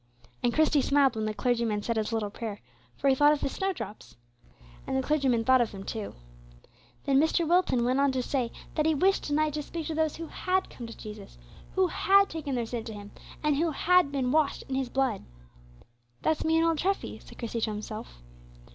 '" And Christie smiled when the clergyman said his little prayer, for he thought of the snowdrops. And the clergyman thought of them, too. Then Mr. Wilton went on to say that he wished to night to speak to those who had come to Jesus; who had taken their sin to Him, and who had been washed in His blood. "That's me and old Treffy," said Christie to himself.